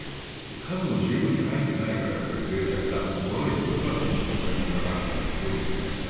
数も十分に入っているからぜい弱、もろいとは建築の専門家がその当時言っていました。